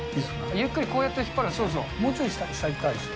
ゆっくりこうやって引っ張るんですね。